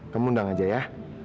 kamu undang aja ya